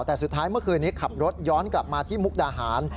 แต่สุดท้ายเมื่อคืนนี้ขับรถย้อนกลับมาที่มุกดาหาร